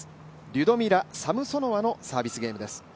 リュドミラ・サムソノワのサービスゲームです。